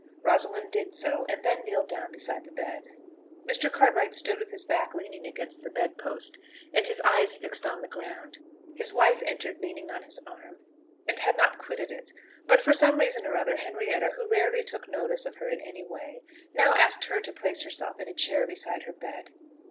Rosalind did so, and then kneeled down beside the bed. Mr. Cartwright stood with his back leaning against the bed post, and his eyes fixed on the ground; his wife entered leaning on his arm, and had not quitted it; but for some reason or other, Henrietta, who rarely took notice of her in any way, now asked her to place herself in a chair beside her bed.